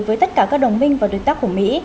với tất cả các đồng minh và đối tác của mỹ